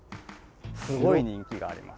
すごい人気があります。